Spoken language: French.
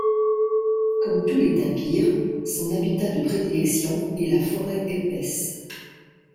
Comme tous les tapirs, son habitat de prédilection est la forêt épaisse.